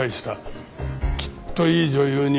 きっといい女優に。